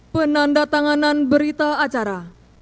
penanda tanganan berita acara